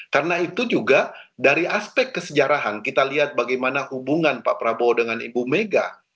karena itu juga dari aspek kesejarahan kita lihat bagaimana hubungan pak prabowo dengan ibu mega